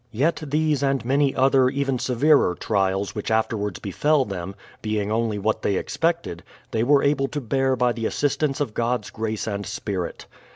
Yet these and many other even severer trials which afterwards befell them, being only what they expected, they were able to bear by the assistance of God's grace and spirit.